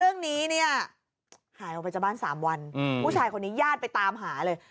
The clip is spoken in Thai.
เรื่องนี้เนี่ยหายออกไปจากบ้าน๓วันผู้ชายคนนี้ญาติไปตามหาเลย